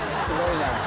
すごいな。